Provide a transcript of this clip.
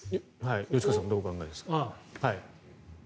吉川さんどうお考えですか？